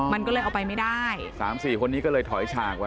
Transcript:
มันก็เลยเอาไปไม่ได้สามสี่คนนี้ก็เลยถอยฉากไว้